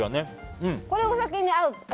これ、お酒に合う。